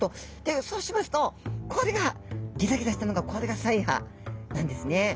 そうしますとこれがギザギザしたのがこれが鰓耙なんですね。